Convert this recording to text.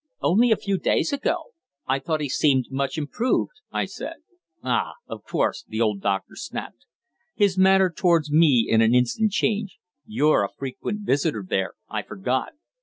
"Only a few days ago. I thought he seemed much improved," I said. "Ah! of course," the old doctor snapped; his manner towards me in an instant changed. "You're a frequent visitor there, I forgot.